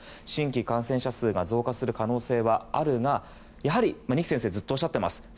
新規感染者数が増加する可能性はあるがやはり二木先生はずっとおっしゃっています。